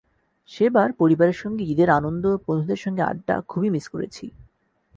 সেবার পরিবারের সঙ্গে ঈদের আনন্দ, বন্ধুদের সঙ্গে আড্ডা খুবই মিস করেছি।